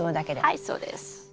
はいそうです。